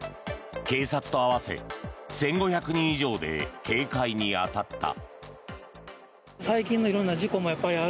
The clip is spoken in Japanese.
警察と合わせ１５００人以上で警戒に当たった。